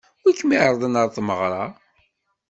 Wi kem-iɛeṛḍen ɣer tmeɣṛa?